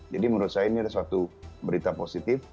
jadi menurut saya ini adalah suatu berita positif